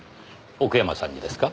奥山さんにですか？